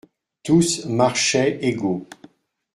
Tous marchaient égaux.